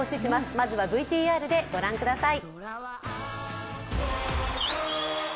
まずはＶＴＲでご覧ください。